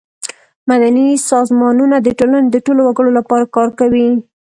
مدني سازمانونه د ټولنې د ټولو وګړو لپاره کار کوي.